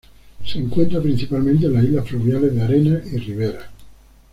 Se encuentra principalmente en las islas fluviales de arena y riberas.